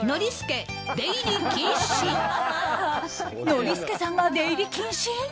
ノリスケさんが出入り禁止？